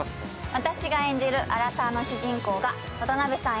私が演じるアラサーの主人公が、渡邊さん